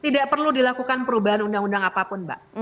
tidak perlu dilakukan perubahan undang undang apapun mbak